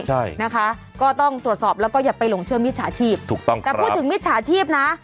ใช่นะคะก็ต้องตรวจสอบแล้วก็อย่าไปหลงเชื่อมิจฉาชีพถูกต้องแต่พูดถึงมิจฉาชีพนะ